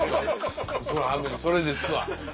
それですわ。